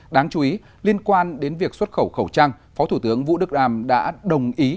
đáng chú ý liên quan đến việc xuất khẩu khẩu trang phó thủ tướng vũ đức đàm đã đồng ý